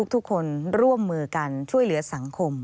ทุกคนร่วมมือกันช่วยเหลือสังคม